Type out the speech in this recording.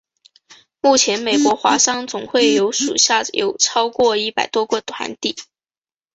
目前美国华商总会属下有超过一百多个团体。